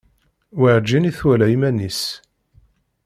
Werǧin i twala iman-is.